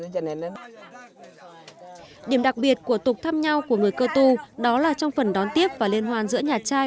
điểm đặc biệt của tục thăm nhau của người cơ tu đó là trong phần đón tiếp và liên hoan giữa nhà trai